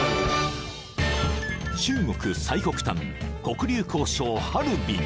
［中国最北端黒竜江省ハルビン］